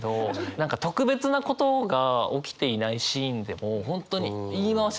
何か特別なことが起きていないシーンでも本当に言い回し